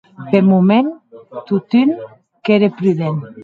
Peth moment, totun, qu’ère prudent.